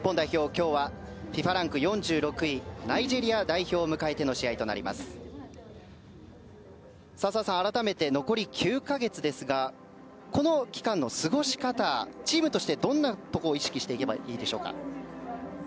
今日はＦＩＦＡランク４６位ナイジェリア代表を迎えての試合となります澤さん、改めて残り９か月ですがこの期間の過ごし方はチームとしてどんなところを意識していけばいいでしょうか？